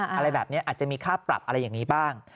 อะไรแบบนี้อาจจะมีค่าปรับอะไรอย่างนี้บ้าง